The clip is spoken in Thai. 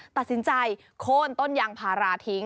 ตัดสินใจโค้นต้นยางพาราทิ้ง